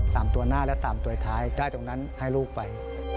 ตามตัวหน้าและตามตัวท้ายได้ตรงนั้นให้ลูกไป